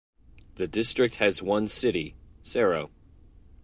The District has one city: Serow.